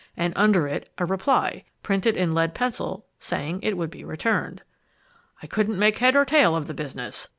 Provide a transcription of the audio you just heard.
And under it, a reply, printed in lead pencil, saying it would be returned." "I couldn't make head or tail of the business.